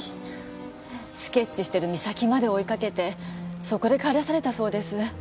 スケッチしてる岬まで追いかけてそこで帰らされたそうです。